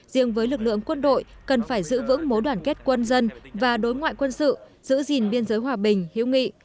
riêng với lực lượng quân đội cần phải giữ vững mối đoàn kết quân dân và đối ngoại quân sự giữ gìn biên giới hòa bình hiếu nghị